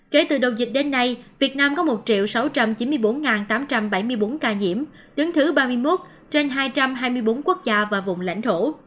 kể từ đầu dịch đến nay việt nam có một sáu trăm chín mươi bốn tám trăm bảy mươi bốn ca nhiễm đứng thứ ba mươi một trên hai trăm hai mươi bốn quốc gia và vùng lãnh thổ